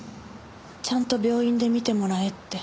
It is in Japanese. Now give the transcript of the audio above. ちゃんと病院で診てもらえって。